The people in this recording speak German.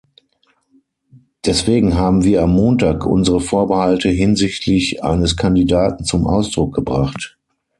Deswegen haben wir am Montag unsere Vorbehalte hinsichtlich eines Kandidaten zum Ausdruck gebracht.